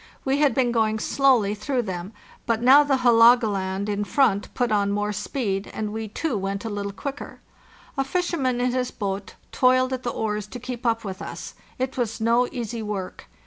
We had been going slowly through them, but now the //aa/oga/and in front put on more speed, and we too went a little quicker. A fisher man in his boat toiled at the oars to keep up with us; it was no easy work.